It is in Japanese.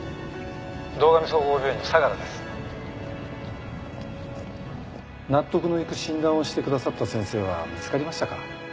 「堂上総合病院の相良です」納得のいく診断をしてくださった先生は見つかりましたか？